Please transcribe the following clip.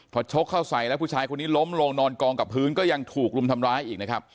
พอชกเข้าใส่แล้วผู้ชายคนนี้ล้มลงนอนกองกับพื้นก็ยังถูกรุมทำร้ายอีกนะครับ